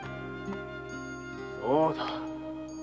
〔そうだ。